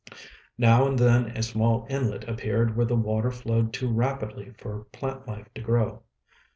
Now and then a small inlet appeared where the water flowed too rapidly for plant life to grow.